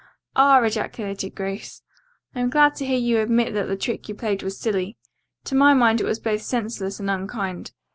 "Ah!" ejaculated Grace. "I am glad to hear you admit that the trick you played was silly. To my mind it was both senseless and unkind.